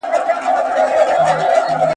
هیوادونه د ښوونیزو بورسونو له لارې همکاري کوي.